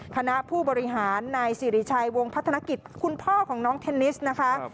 คณะผู้บริหารนายสิริชัยวงพัฒนกิจคุณพ่อของน้องเทนนิสนะคะ